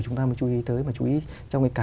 chúng ta mới chú ý tới mà chú ý trong cả